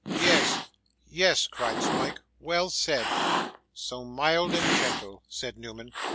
'Yes, yes!' cried Smike. 'Well said!' 'So mild and gentle,' said Newman.